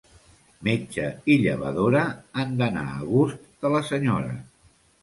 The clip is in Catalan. Metge i llevadora han d'anar a gust de la senyora.